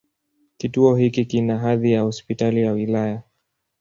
Kituo hiki kina hadhi ya Hospitali ya wilaya.